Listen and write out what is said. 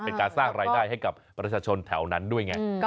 เป็นการสร้างรายได้ให้กับประชาชนแถวนั้นด้วยไง